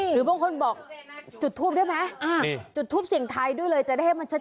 หรือบางคนบอกจุดทูปได้ไหมจุดทูปเสียงไทยด้วยเลยจะได้ให้มันชัด